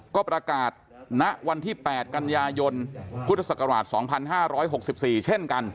ก็ประกาศณวันที่๘กันยายนพุทธศักราช๒๕๖๔เช่นกัน